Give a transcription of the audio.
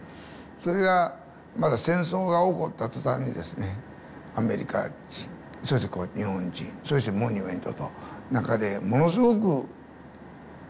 それがまた戦争が起こった途端にですねアメリカ人そして日本人そしてモニュメントの中でものすごく悩んだと。